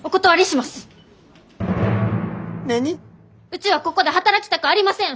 うちはここで働きたくありません！